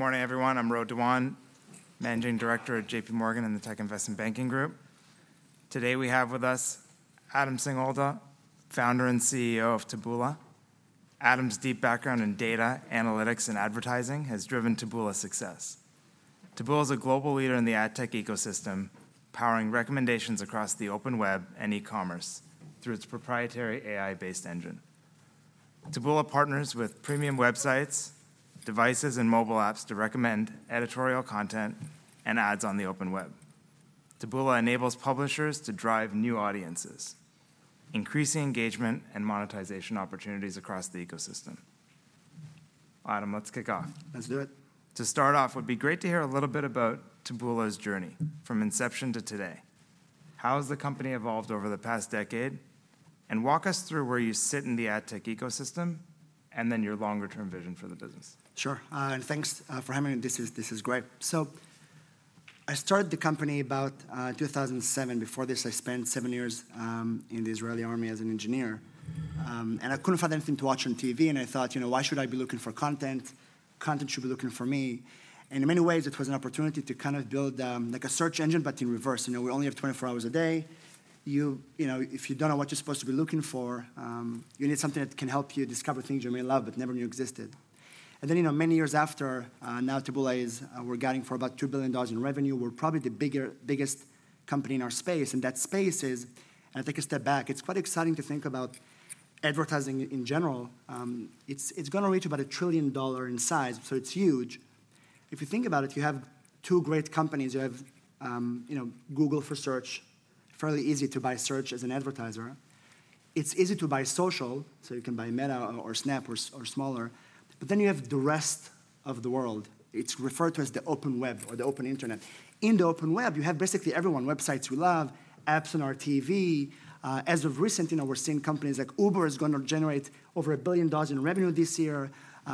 Good morning, everyone. I'm Ro Dewan, Managing Director at J.P. Morgan in the Tech Investment Banking group. Today, we have with us Adam Singolda, founder and CEO of Taboola. Adam's deep background in data, analytics, and advertising has driven Taboola's success. Taboola is a global leader in the ad tech ecosystem, powering recommendations across the open web and e-commerce through its proprietary AI-based engine. Taboola partners with premium websites, devices, and mobile apps to recommend editorial content and ads on the open web. Taboola enables publishers to drive new audiences, increasing engagement and monetization opportunities across the ecosystem. Adam, let's kick off. Let's do it. To start off, it would be great to hear a little bit about Taboola's journey from inception to today. How has the company evolved over the past decade? And walk us through where you sit in the ad tech ecosystem, and then your longer-term vision for the business. Sure. And thanks for having me. This is great. So I started the company about 2007. Before this, I spent seven years in the Israeli army as an engineer. And I couldn't find anything to watch on TV, and I thought, you know, "Why should I be looking for content? Content should be looking for me." And in many ways, it was an opportunity to kind of build like a search engine, but in reverse. You know, we only have 24 hours a day. You know, if you don't know what you're supposed to be looking for, you need something that can help you discover things you may love but never knew existed. And then, you know, many years after, now Taboola is, we're guiding for about $2 billion in revenue. We're probably the biggest company in our space, and that space is... Take a step back, it's quite exciting to think about advertising in general. It's gonna reach about $1 trillion in size, so it's huge. If you think about it, you have two great companies. You have, you know, Google for search, fairly easy to buy search as an advertiser. It's easy to buy social, so you can buy Meta or Snap or smaller, but then you have the rest of the world. It's referred to as the open web or the open internet. In the open web, you have basically everyone, websites we love, apps on our TV. As of recent, you know, we're seeing companies like Uber is gonna generate over $1 billion in revenue this year.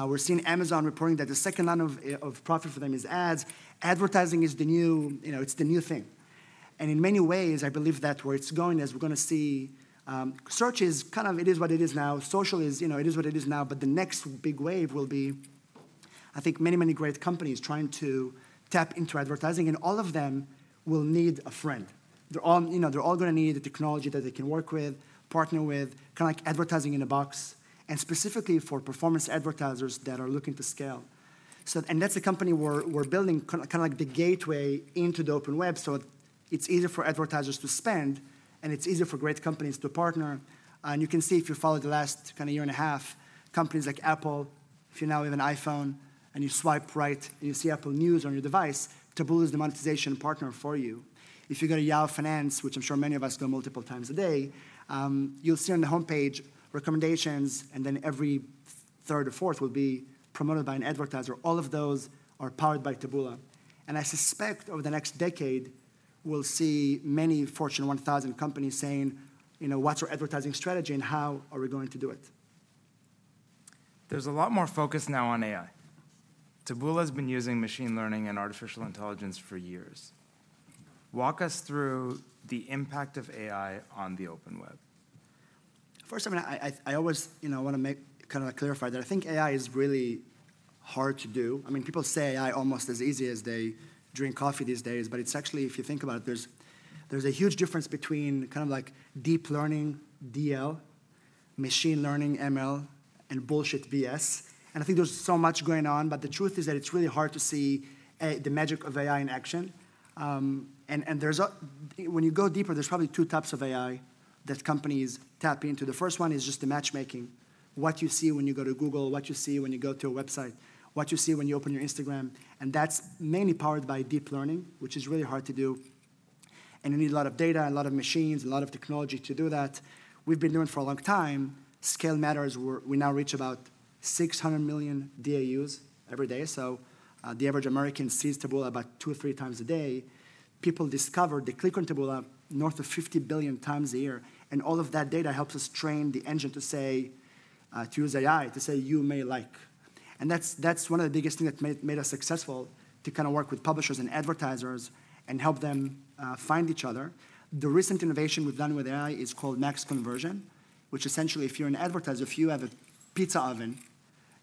We're seeing Amazon reporting that the second line of profit for them is ads. Advertising is the new, you know, it's the new thing, and in many ways, I believe that where it's going is we're gonna see. Search is kind of, it is what it is now. Social is, you know, it is what it is now, but the next big wave will be, I think, many, many great companies trying to tap into advertising, and all of them will need a friend. They're all, you know, they're all gonna need a technology that they can work with, partner with, kind of like advertising in a box, and specifically for performance advertisers that are looking to scale. And that's the company we're building, kind of like the gateway into the open web, so it's easier for advertisers to spend, and it's easier for great companies to partner. And you can see, if you follow the last kind of year and a half, companies like Apple, if you now have an iPhone and you swipe right, and you see Apple News on your device, Taboola is the monetization partner for you. If you go to Yahoo Finance, which I'm sure many of us do multiple times a day, you'll see on the homepage recommendations, and then every third or fourth will be promoted by an advertiser. All of those are powered by Taboola, and I suspect over the next decade, we'll see many Fortune 1000 companies saying, you know, "What's our advertising strategy, and how are we going to do it? There's a lot more focus now on AI. Taboola has been using machine learning and artificial intelligence for years. Walk us through the impact of AI on the open web. First, I mean, I always, you know, wanna make, kind of clarify that I think AI is really hard to do. I mean, people say AI almost as easy as they drink coffee these days, but it's actually, if you think about it, there's a huge difference between kind of like deep learning, DL, machine learning, ML, and bullshit, BS. And I think there's so much going on, but the truth is that it's really hard to see the magic of AI in action. And when you go deeper, there's probably two types of AI that companies tap into. The first one is just the matchmaking, what you see when you go to Google, what you see when you go to a website, what you see when you open your Instagram, and that's mainly powered by deep learning, which is really hard to do, and you need a lot of data, a lot of machines, a lot of technology to do that. We've been doing it for a long time. Scale matters, where we now reach about 600 million DAUs every day, so, the average American sees Taboola about two or three times a day. People discover, they click on Taboola north of 50 billion times a year, and all of that data helps us train the engine to say, to use AI to say, "You may like..." And that's one of the biggest thing that made us successful, to kind of work with publishers and advertisers and help them find each other. The recent innovation we've done with AI is called Max Conversion, which essentially, if you're an advertiser, if you have a pizza oven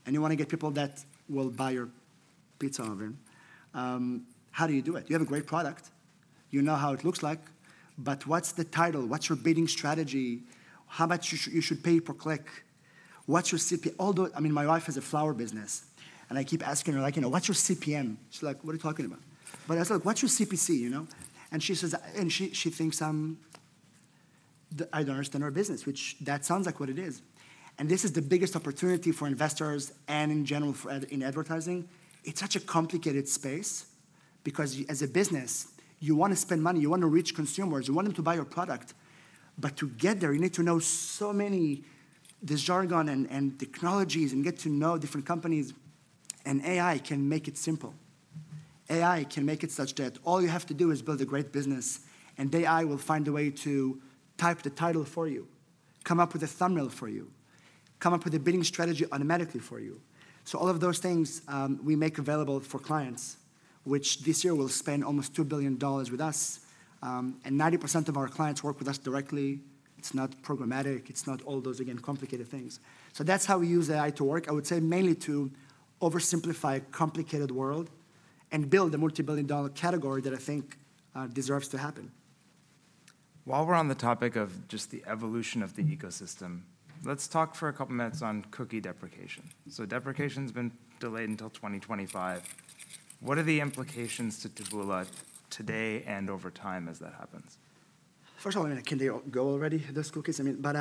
and you want to get people that will buy your pizza oven, how do you do it? You have a great product. You know how it looks like, but what's the title? What's your bidding strategy? How much you should pay per click? What's your CPM? Although, I mean, my wife has a flower business, and I keep asking her, like, you know, "What's your CPM?" She's like, "What are you talking about?" But I said, "What's your CPC?" You know, and she says she thinks I'm, I don't understand her business, which sounds like what it is. And this is the biggest opportunity for investors and in general for advertising. It's such a complicated space because, as a business, you want to spend money, you want to reach consumers, you want them to buy your product, but to get there, you need to know so many, the jargon and, and technologies and get to know different companies, and AI can make it simple. AI can make it such that all you have to do is build a great business, and AI will find a way to type the title for you, come up with a thumbnail for you, come up with a bidding strategy automatically for you. So all of those things, we make available for clients, which this year will spend almost $2 billion with us. And 90% of our clients work with us directly. It's not programmatic, it's not all those, again, complicated things. So that's how we use AI to work. I would say mainly to oversimplify a complicated world and build a multi-billion dollar category that I think deserves to happen. While we're on the topic of just the evolution of the ecosystem, let's talk for a couple minutes on cookie deprecation. So deprecation's been delayed until 2025. What are the implications to Taboola today and over time as that happens? First of all, I mean, can they go already, those cookies? I mean, but,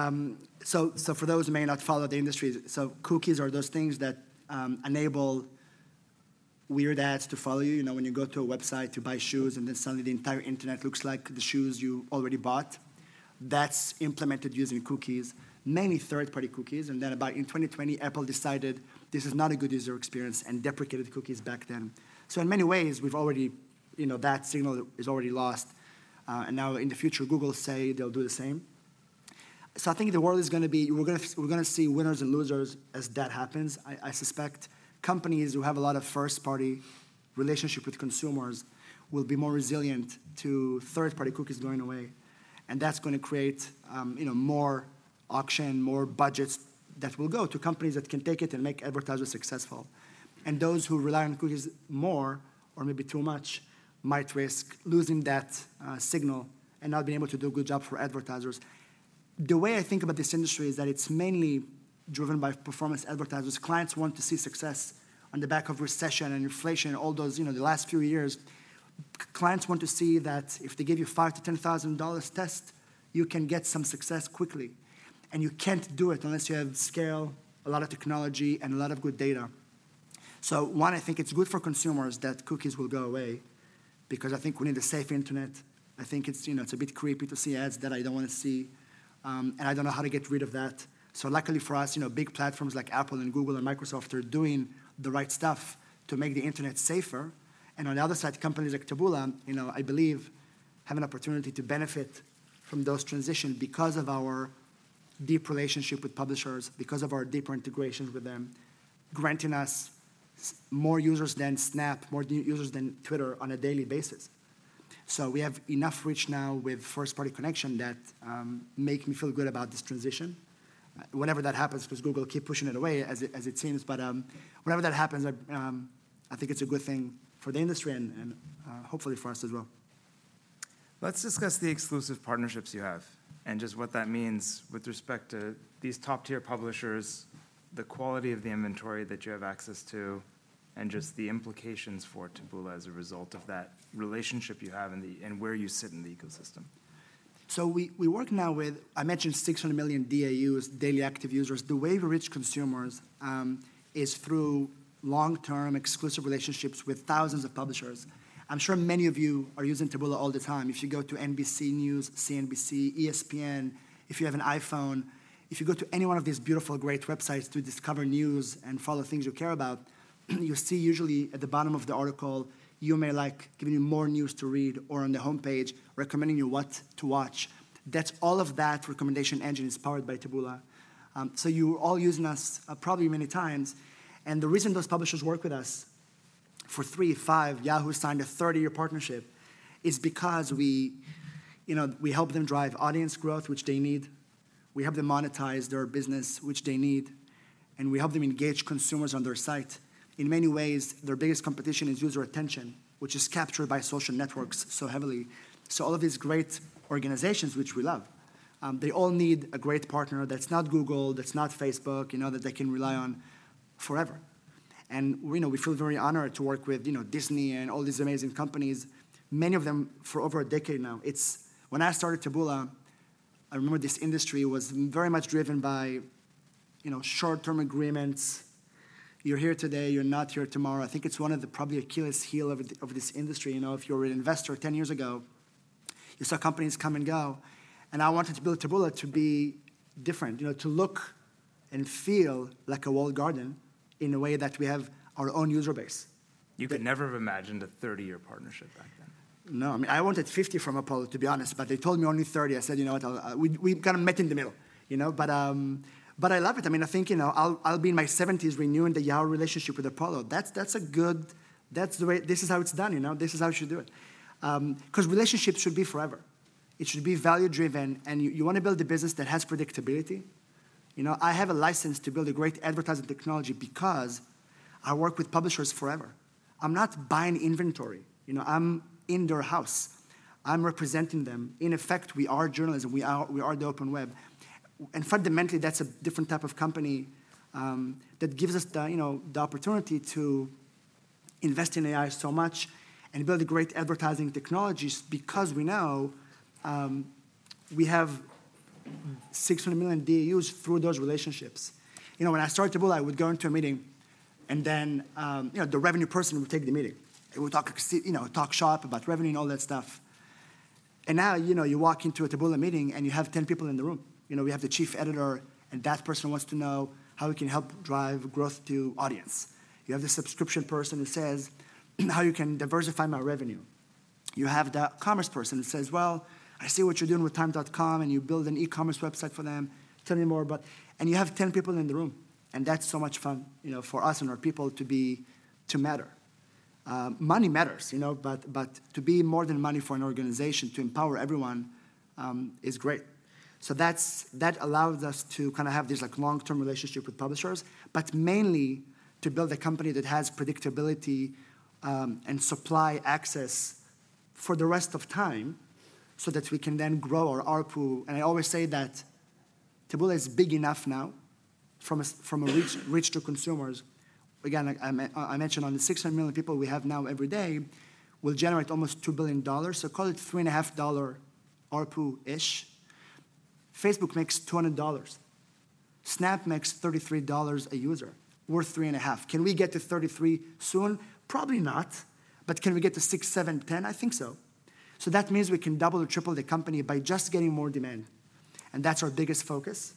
so, so for those who may not follow the industry, so cookies are those things that enable weird ads to follow you. You know, when you go to a website to buy shoes, and then suddenly the entire internet looks like the shoes you already bought. That's implemented using cookies, mainly third-party cookies. And then about in 2020, Apple decided this is not a good user experience and deprecated cookies back then. So in many ways, we've already, you know, that signal is already lost. And now in the future, Google say they'll do the same. So I think the world is gonna be, we're gonna, we're gonna see winners and losers as that happens. I suspect companies who have a lot of first-party relationship with consumers will be more resilient to third-party cookies going away, and that's gonna create, you know, more auction, more budgets that will go to companies that can take it and make advertisers successful. And those who rely on cookies more, or maybe too much, might risk losing that, signal and not being able to do a good job for advertisers. The way I think about this industry is that it's mainly driven by performance advertisers. Clients want to see success on the back of recession and inflation, all those, you know, the last few years. Clients want to see that if they give you $5,000-$10,000 test, you can get some success quickly, and you can't do it unless you have scale, a lot of technology, and a lot of good data. So, one, I think it's good for consumers that cookies will go away because I think we need a safe internet. I think it's, you know, it's a bit creepy to see ads that I don't wanna see, and I don't know how to get rid of that. So luckily for us, you know, big platforms like Apple and Google and Microsoft are doing the right stuff to make the internet safer. And on the other side, companies like Taboola, you know, I believe, have an opportunity to benefit from that transition because of our deep relationship with publishers, because of our deeper integrations with them, granting us more users than Snap, more daily users than Twitter on a daily basis. So we have enough reach now with first-party connection that make me feel good about this transition. Whenever that happens, 'cause Google keep pushing it away as it seems, but whenever that happens, I think it's a good thing for the industry and hopefully for us as well. Let's discuss the exclusive partnerships you have and just what that means with respect to these top-tier publishers, the quality of the inventory that you have access to, and just the implications for Taboola as a result of that relationship you have, and where you sit in the ecosystem. So we work now with, I mentioned 600 million DAUs, daily active users. The way we reach consumers is through long-term exclusive relationships with thousands of publishers. I'm sure many of you are using Taboola all the time. If you go to NBC News, CNBC, ESPN, if you have an iPhone, if you go to any one of these beautiful, great websites to discover news and follow things you care about, you'll see usually at the bottom of the article, "You may like," giving you more news to read, or on the homepage, recommending you what to watch. That's all of that recommendation engine is powered by Taboola. So you're all using us, probably many times, and the reason those publishers work with us for three, five, Yahoo! signed a 30-year partnership, is because we, you know, we help them drive audience growth, which they need. We help them monetize their business, which they need, and we help them engage consumers on their site. In many ways, their biggest competition is user attention, which is captured by social networks so heavily. So all of these great organizations, which we love, they all need a great partner that's not Google, that's not Facebook, you know, that they can rely on forever. And, you know, we feel very honored to work with, you know, Disney and all these amazing companies, many of them for over a decade now. It's... When I started Taboola, I remember this industry was very much driven by, you know, short-term agreements. You're here today. You're not here tomorrow. I think it's one of the probably Achilles heel of it, of this industry. You know, if you were an investor 10 years ago, you saw companies come and go, and I wanted to build Taboola to be different, you know, to look and feel like a walled garden in a way that we have our own user base. You could never have imagined a 30-year partnership back then? No. I mean, I wanted 50 from Apollo, to be honest, but they told me only 30. I said, "You know what? I'll..." We kind of met in the middle, you know? But I love it. I mean, I think, you know, I'll be in my 70s renewing the Yahoo! relationship with Apollo. That's a good. That's the way, this is how it's done, you know? This is how you should do it. 'Cause relationships should be forever. It should be value driven, and you wanna build a business that has predictability. You know, I have a license to build a great advertising technology because I work with publishers forever. I'm not buying inventory, you know. I'm in their house. I'm representing them. In effect, we are journalism. We are the open web. And fundamentally, that's a different type of company that gives us the, you know, the opportunity to invest in AI so much and build great advertising technologies because we know we have 600 million DAUs through those relationships. You know, when I started Taboola, I would go into a meeting, and then, you know, the revenue person would take the meeting. It would talk you know, talk shop about revenue and all that stuff. And now, you know, you walk into a Taboola meeting, and you have 10 people in the room. You know, we have the chief editor, and that person wants to know how we can help drive growth to audience. You have the subscription person who says, "How you can diversify my revenue?" You have the commerce person that says, "Well, I see what you're doing with Time.com," and you build an e-commerce website for them. Tell me more about— And you have 10 people in the room, and that's so much fun, you know, for us and our people to be, to matter. Money matters, you know, but, but to be more than money for an organization, to empower everyone, is great. So that's- that allows us to kind of have these, like, long-term relationship with publishers, but mainly to build a company that has predictability, and supply access for the rest of time, so that we can then grow our ARPU. And I always say that Taboola is big enough now from a, from a reach, reach to consumers. Again, I mentioned on the 600 million people we have now every day, we'll generate almost $2 billion, so call it $3.5 ARPU-ish. Facebook makes $200. Snap makes $33 a user. We're $3.5. Can we get to $33 soon? Probably not, but can we get to $6, $7, $10? I think so. So that means we can double or triple the company by just getting more demand, and that's our biggest focus.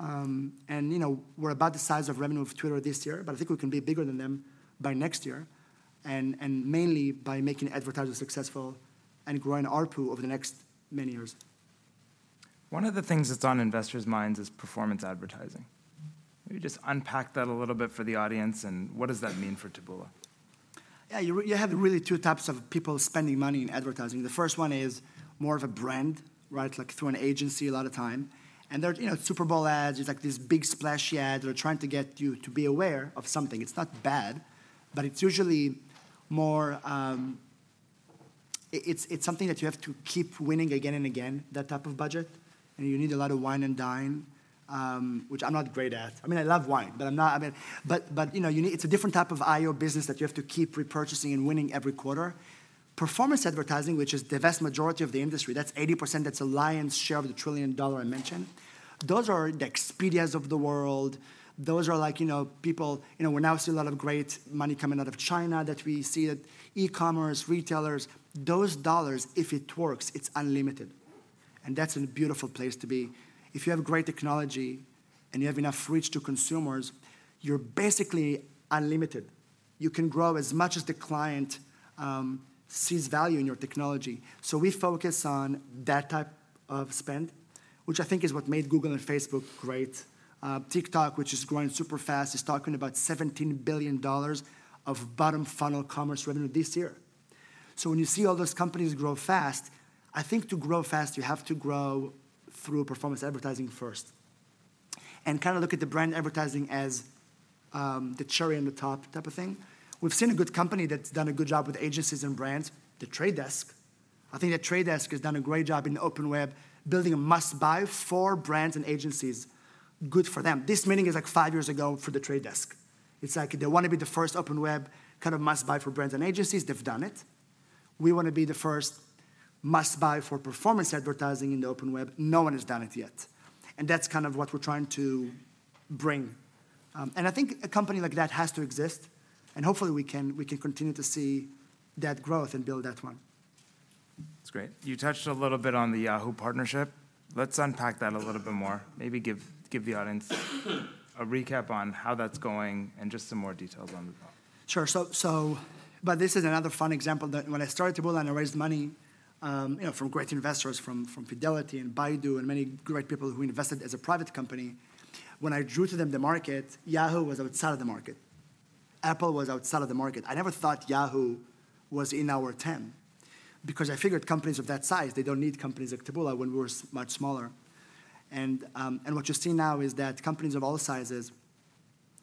And you know, we're about the size of revenue of Twitter this year, but I think we can be bigger than them by next year, and mainly by making advertisers successful and growing ARPU over the next many years. One of the things that's on investors' minds is performance advertising. Can you just unpack that a little bit for the audience, and what does that mean for Taboola? Yeah, you, you have really two types of people spending money in advertising. The first one is more of a brand, right? Like, through an agency a lot of time. And they're, you know, Super Bowl ads, there's, like, these big splashy ads that are trying to get you to be aware of something. It's not bad, but it's usually more, it's, it's something that you have to keep winning again and again, that type of budget, and you need a lot of wine and dine, which I'm not great at. I mean, I love wine, but I'm not, I mean. But, but, you know, you need, it's a different type of IO business that you have to keep repurchasing and winning every quarter. Performance advertising, which is the vast majority of the industry, that's 80%, that's the lion's share of the $1 trillion I mentioned. Those are the Expedias of the world. Those are like, you know, people. You know, we're now seeing a lot of great money coming out of China that we see that e-commerce, retailers, those dollars, if it works, it's unlimited, and that's a beautiful place to be. If you have great technology and you have enough reach to consumers, you're basically unlimited. You can grow as much as the client sees value in your technology. So we focus on that type of spend, which I think is what made Google and Facebook great. TikTok, which is growing super fast, is talking about $17 billion of bottom funnel commerce revenue this year. So when you see all those companies grow fast, I think to grow fast, you have to grow through performance advertising first, and kind of look at the brand advertising as, the cherry on the top type of thing. We've seen a good company that's done a good job with agencies and brands, The Trade Desk. I think that The Trade Desk has done a great job in the open web, building a must-buy for brands and agencies. Good for them. This meeting is, like, five years ago for The Trade Desk. It's like they want to be the first open web, kind of must-buy for brands and agencies. They've done it. We want to be the first must-buy for performance advertising in the open web. No one has done it yet, and that's kind of what we're trying to bring. And I think a company like that has to exist, and hopefully we can, we can continue to see that growth and build that one. That's great. You touched a little bit on the Yahoo! partnership. Let's unpack that a little bit more. Maybe give, give the audience a recap on how that's going and just some more details on that. Sure. So, but this is another fun example, that when I started Taboola and I raised money, you know, from great investors, from Fidelity and Baidu and many great people who invested as a private company, when I drew to them the market, Yahoo! was outside of the market. Apple was outside of the market. I never thought Yahoo! was in our ten, because I figured companies of that size, they don't need companies like Taboola when we were so much smaller. And what you see now is that companies of all sizes,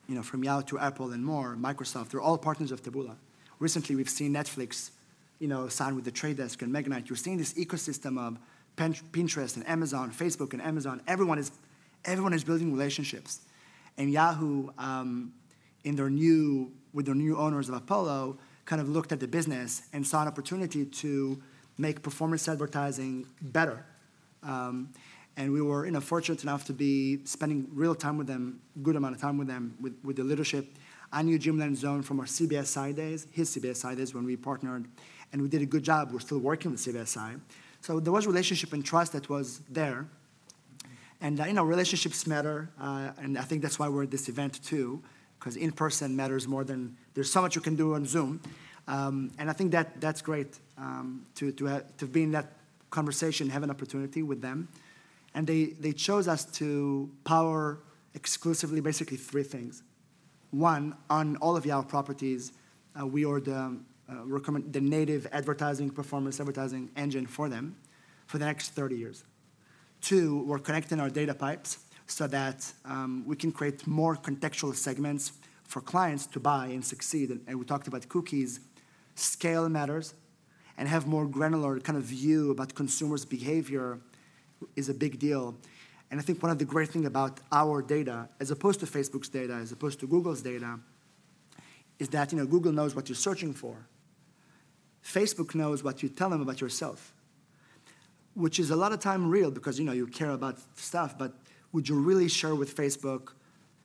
you know, from Yahoo! to Apple and more, Microsoft, they're all partners of Taboola. Recently, we've seen Netflix, you know, sign with The Trade Desk and Magnite. You're seeing this ecosystem of Pinterest and Amazon, Facebook and Amazon. Everyone is, everyone is building relationships. Yahoo!, with their new owners of Apollo, kind of looked at the business and saw an opportunity to make performance advertising better. We were, you know, fortunate enough to be spending real time with them, good amount of time with them, with the leadership. I knew Jim Lanzone from our CBSi days, his CBSi days when we partnered, and we did a good job. We're still working with CBSi. There was relationship and trust that was there, and, you know, relationships matter, and I think that's why we're at this event, too, 'cause in person matters more than... There's so much you can do on Zoom, and I think that, that's great, to have to be in that conversation and have an opportunity with them. And they, they chose us to power exclusively, basically three things: One, on all of Yahoo! properties, we are the recommendation, the native advertising, performance advertising engine for them for the next 30 years. Two, we're connecting our data pipes so that we can create more contextual segments for clients to buy and succeed. And we talked about cookies. Scale matters, and have more granular kind of view about consumer's behavior is a big deal. And I think one of the great thing about our data, as opposed to Facebook's data, as opposed to Google's data, is that, you know, Google knows what you're searching for. Facebook knows what you tell them about yourself, which is a lot of time real, because, you know, you care about stuff, but would you really share with Facebook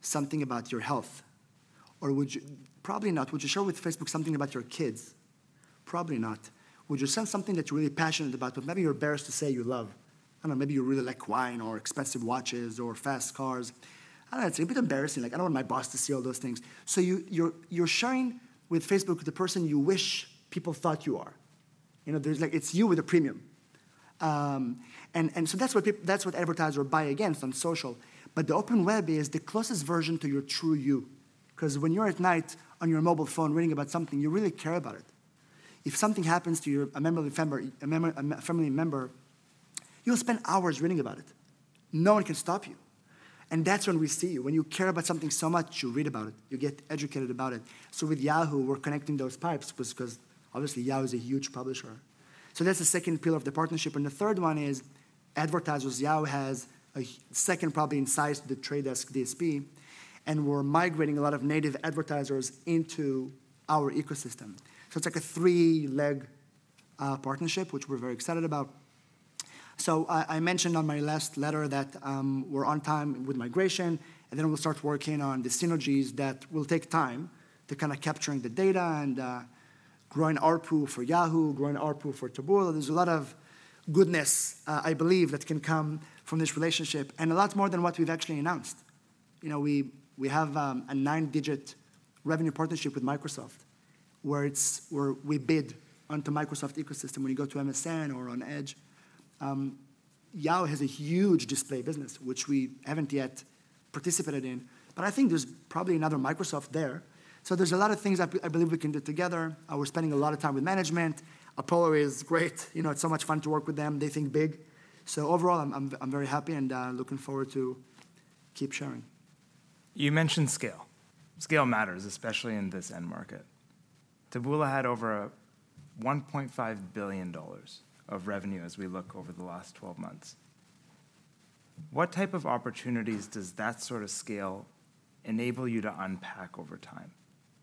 something about your health? Or would you... Probably not. Would you share with Facebook something about your kids? Probably not. Would you share something that you're really passionate about, but maybe you're embarrassed to say you love? I don't know, maybe you really like wine or expensive watches or fast cars. I don't know, it's a bit embarrassing, like, I don't want my boss to see all those things. So you're sharing with Facebook the person you wish people thought you are. You know, there's like, it's you with a premium. And so that's what advertisers buy against on social. But the open web is the closest version to your true you, 'cause when you're at night on your mobile phone reading about something you really care about it. If something happens to a member of your family, you'll spend hours reading about it. No one can stop you, and that's when we see you. When you care about something so much, you read about it, you get educated about it. So with Yahoo, we're connecting those pipes, 'cause obviously Yahoo is a huge publisher. So that's the second pillar of the partnership, and the third one is advertisers. Yahoo has a second, probably in size to The Trade Desk DSP, and we're migrating a lot of native advertisers into our ecosystem. So it's like a three-leg partnership, which we're very excited about. So I mentioned on my last letter that we're on time with migration, and then we'll start working on the synergies that will take time to kind of capturing the data and growing ARPU for Yahoo, growing ARPU for Taboola. There's a lot of goodness, I believe, that can come from this relationship, and a lot more than what we've actually announced. You know, we have a nine-digit revenue partnership with Microsoft, where it's, where we bid onto Microsoft ecosystem when you go to MSN or on Edge. Yahoo has a huge display business, which we haven't yet participated in, but I think there's probably another Microsoft there. So there's a lot of things I believe we can do together. We're spending a lot of time with management. Apollo is great. You know, it's so much fun to work with them. They think big. So overall, I'm very happy and looking forward to keep sharing. You mentioned scale. Scale matters, especially in this end market. Taboola had over $1.5 billion of revenue as we look over the last 12 months. What type of opportunities does that sort of scale enable you to unpack over time?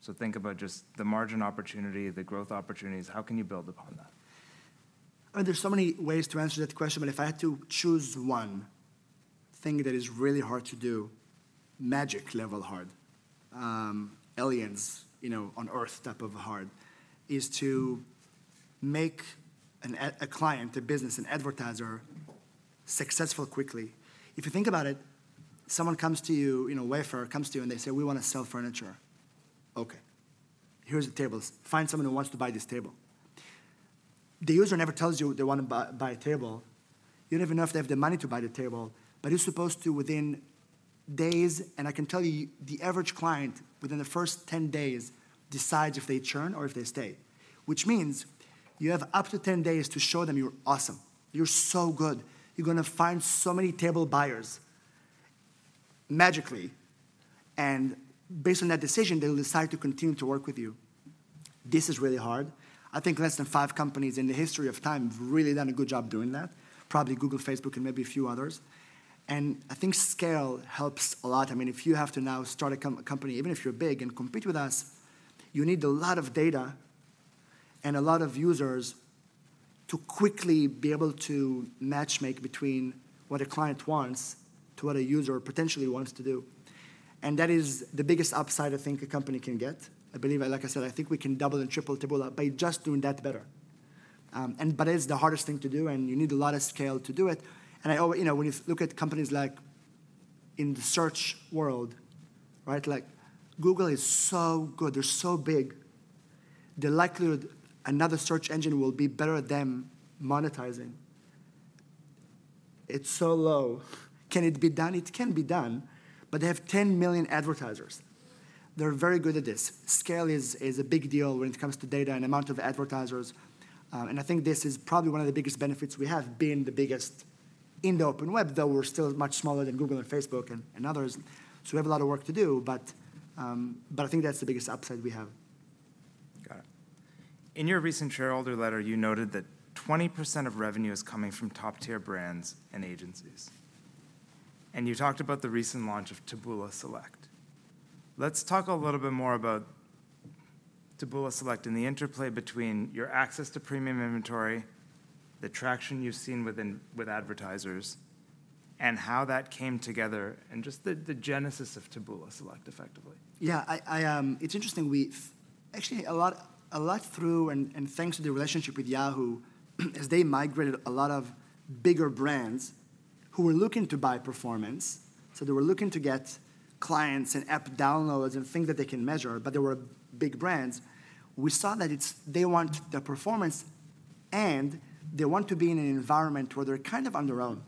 So think about just the margin opportunity, the growth opportunities. How can you build upon that? There's so many ways to answer that question, but if I had to choose one thing that is really hard to do, magic level hard, aliens, you know, on Earth type of hard, is to make a client, a business, an advertiser, successful quickly. If you think about it, someone comes to you, you know, Wayfair comes to you, and they say, "We want to sell furniture." Okay, here's a table. Find someone who wants to buy this table. The user never tells you they want to buy a table. You don't even know if they have the money to buy the table, but you're supposed to, within days... And I can tell you, the average client, within the first 10 days, decides if they churn or if they stay, which means you have up to 10 days to show them you're awesome. You're so good. You're gonna find so many ad buyers, magically, and based on that decision, they'll decide to continue to work with you. This is really hard. I think less than five companies in the history of time have really done a good job doing that, probably Google, Facebook, and maybe a few others, and I think scale helps a lot. I mean, if you have to now start a company, even if you're big, and compete with us, you need a lot of data and a lot of users to quickly be able to matchmake between what a client wants to what a user potentially wants to do, and that is the biggest upside I think a company can get. I believe, like I said, I think we can double and triple Taboola by just doing that better. But it's the hardest thing to do, and you need a lot of scale to do it. And I always you know, when you look at companies like in the search world, right? Like, Google is so good. They're so big. The likelihood another search engine will be better at than monetizing, it's so low. Can it be done? It can be done, but they have 10 million advertisers. They're very good at this. Scale is a big deal when it comes to data and amount of advertisers, and I think this is probably one of the biggest benefits we have, being the biggest in the open web, though we're still much smaller than Google and Facebook and others. So we have a lot of work to do, but I think that's the biggest upside we have. Got it. In your recent shareholder letter, you noted that 20% of revenue is coming from top-tier brands and agencies, and you talked about the recent launch of Taboola Select. Let's talk a little bit more about Taboola Select and the interplay between your access to premium inventory, the traction you've seen with advertisers, and how that came together, and just the genesis of Taboola Select, effectively. Yeah, it's interesting. We've actually a lot, a lot through and thanks to the relationship with Yahoo, as they migrated a lot of bigger brands who were looking to buy performance, so they were looking to get clients and app downloads and things that they can measure, but they were big brands. We saw that it's they want the performance, and they want to be in an environment where they're kind of on their own.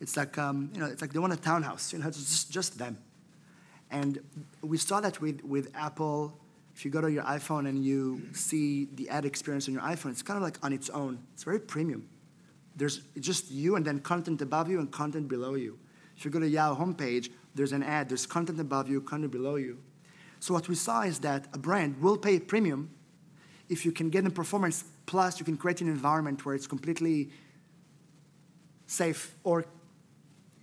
It's like, you know, it's like they want a townhouse, you know, it's just them. And we saw that with Apple. If you go to your iPhone, and you see the ad experience on your iPhone, it's kind of like on its own. It's very premium. There's just you, and then content above you and content below you. If you go to Yahoo homepage, there's an ad, there's content above you, content below you. So what we saw is that a brand will pay a premium if you can get them performance, plus you can create an environment where it's completely safe or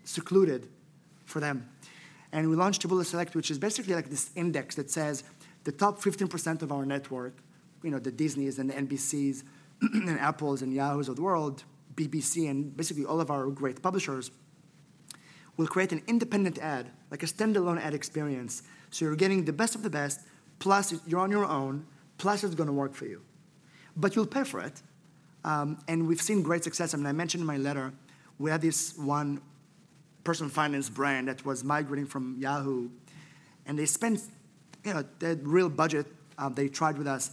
secluded for them. And we launched Taboola Select, which is basically like this index that says the top 15% of our network, you know, the Disneys and the NBCs, and Apples and Yahoos of the world, BBC, and basically all of our great publishers, we'll create an independent ad, like a standalone ad experience, so you're getting the best of the best, plus you're on your own, plus it's gonna work for you. But you'll pay for it. And we've seen great success, and I mentioned in my letter, we had this one personal finance brand that was migrating from Yahoo!, and they spent, you know, their real budget, they tried with us,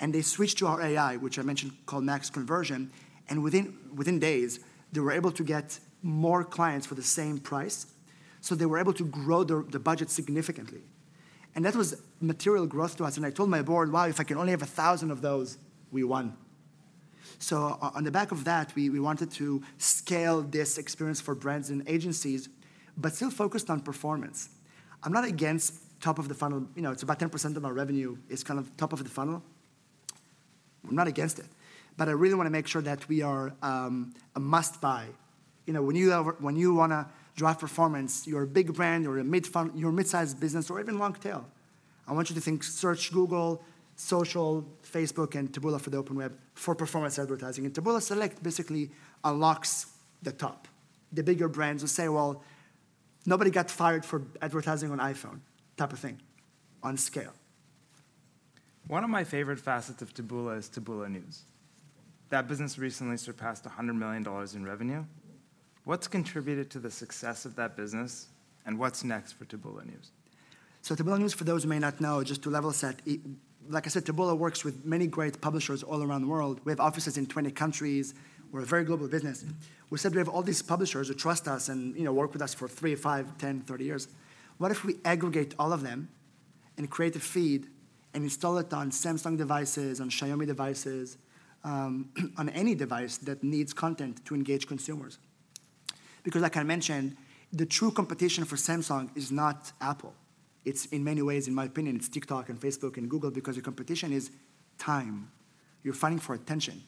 and they switched to our AI, which I mentioned, called Max Conversion, and within days, they were able to get more clients for the same price. So they were able to grow their, the budget significantly, and that was material growth to us. And I told my board, "Wow, if I can only have 1,000 of those, we won." So on the back of that, we wanted to scale this experience for brands and agencies, but still focused on performance. I'm not against top of the funnel. You know, it's about 10% of our revenue is kind of top of the funnel. I'm not against it, but I really wanna make sure that we are a must-buy. You know, when you wanna drive performance, you're a big brand, or you're a mid-funnel, you're a mid-sized business, or even long tail, I want you to think search Google, social, Facebook, and Taboola for the open web for performance advertising. And Taboola Select basically unlocks the top. The bigger brands will say, "Well, nobody got fired for advertising on iPhone," type of thing, on scale. One of my favorite facets of Taboola is Taboola News. That business recently surpassed $100 million in revenue. What's contributed to the success of that business, and what's next for Taboola News? So Taboola News, for those who may not know, just to level set, it—like I said, Taboola works with many great publishers all around the world. We have offices in 20 countries. We're a very global business. We said we have all these publishers who trust us and, you know, work with us for three, five, 10, 30 years. What if we aggregate all of them and create a feed and install it on Samsung devices, on Xiaomi devices, on any device that needs content to engage consumers? Because like I mentioned, the true competition for Samsung is not Apple. It's in many ways, in my opinion, it's TikTok and Facebook and Google, because the competition is time. You're fighting for attention.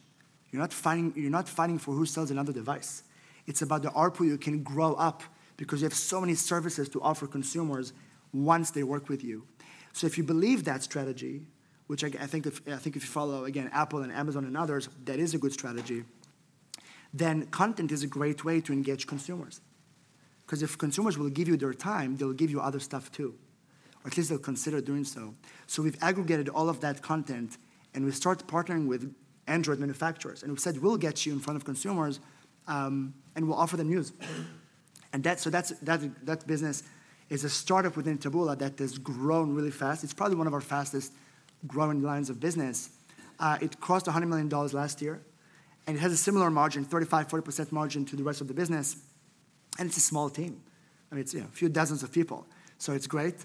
You're not fighting, you're not fighting for who sells another device. It's about the ARPU you can grow up, because you have so many services to offer consumers once they work with you. So if you believe that strategy, which I think, if you follow again, Apple and Amazon and others, that is a good strategy, then content is a great way to engage consumers. 'Cause if consumers will give you their time, they'll give you other stuff, too, or at least they'll consider doing so. So we've aggregated all of that content, and we started partnering with Android manufacturers, and we said, "We'll get you in front of consumers, and we'll offer them news." And that, so that's that business is a startup within Taboola that has grown really fast. It's probably one of our fastest-growing lines of business. It crossed $100 million last year, and it has a similar margin, 35%-40% margin to the rest of the business, and it's a small team. I mean, it's, you know, a few dozens of people. So it's great,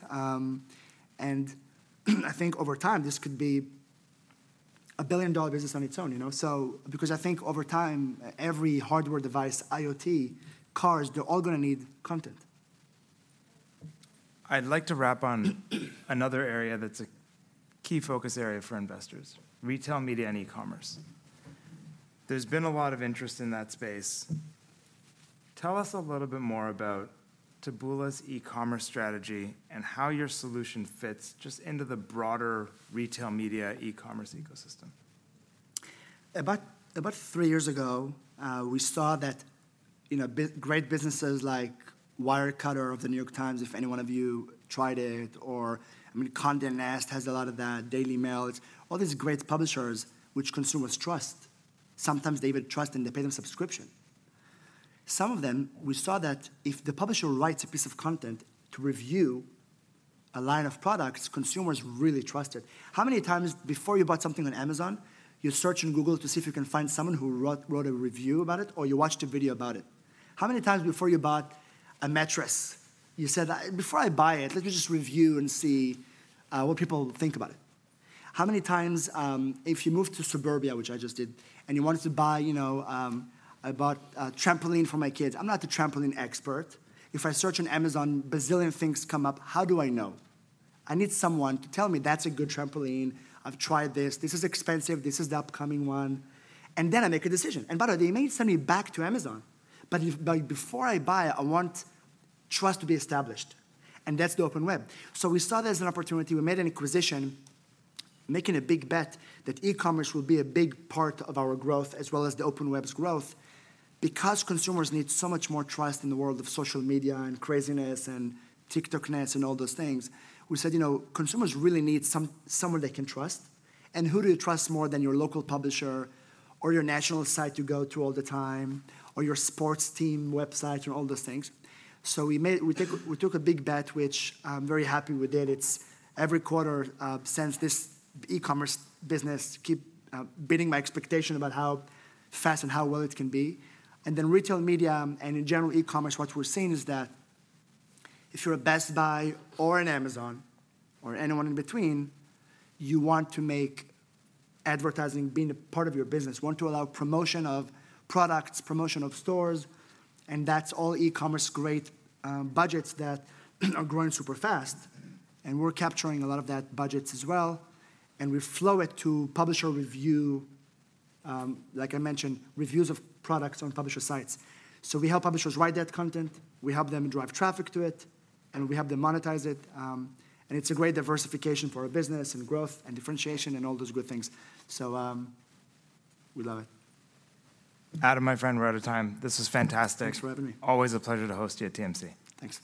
and I think over time, this could be a billion-dollar business on its own, you know? So because I think over time, every hardware device, IoT, cars, they're all gonna need content. I'd like to wrap on another area that's a key focus area for investors: retail, media, and e-commerce. There's been a lot of interest in that space. Tell us a little bit more about Taboola's e-commerce strategy and how your solution fits just into the broader retail media e-commerce ecosystem. About 3 years ago, we saw that, you know, great businesses like Wirecutter of The New York Times, if any one of you tried it, or I mean, Condé Nast has a lot of that, Daily Mail. It's all these great publishers which consumers trust. Sometimes they even trust and they pay them subscription. Some of them, we saw that if the publisher writes a piece of content to review a line of products, consumers really trust it. How many times before you bought something on Amazon, you search on Google to see if you can find someone who wrote a review about it, or you watched a video about it? How many times before you bought a mattress, you said, "Before I buy it, let me just review and see, what people think about it"? How many times, if you moved to suburbia, which I just did, and you wanted to buy, you know, I bought a trampoline for my kids. I'm not a trampoline expert. If I search on Amazon, bazillion things come up. How do I know? I need someone to tell me, "That's a good trampoline. I've tried this. This is expensive. This is the upcoming one," and then I make a decision. And by the way, they may send me back to Amazon, but before I buy, I want trust to be established, and that's the open web. So we saw there's an opportunity. We made an acquisition, making a big bet that e-commerce will be a big part of our growth as well as the open web's growth. Because consumers need so much more trust in the world of social media and craziness and TikTok-ness and all those things, we said, "You know, consumers really need someone they can trust," and who do you trust more than your local publisher, or your national site you go to all the time, or your sports team website, and all those things? So we took a big bet, which I'm very happy we did. It's every quarter since this e-commerce business keep beating my expectation about how fast and how well it can be. And then retail media, and in general, e-commerce, what we're seeing is that if you're a Best Buy or an Amazon or anyone in between, you want to make advertising being a part of your business. You want to allow promotion of products, promotion of stores, and that's all e-commerce great, budgets that are growing super fast, and we're capturing a lot of that budgets as well, and we flow it to publisher review, like I mentioned, reviews of products on publisher sites. So we help publishers write that content, we help them drive traffic to it, and we help them monetize it, and it's a great diversification for our business and growth and differentiation and all those good things, so, we love it. Adam, my friend, we're out of time. This was fantastic. Thanks for having me. Always a pleasure to host you at TMC. Thanks.